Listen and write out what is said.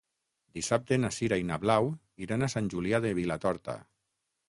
Dissabte na Sira i na Blau iran a Sant Julià de Vilatorta.